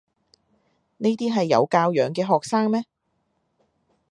呢啲係有教養嘅學生咩？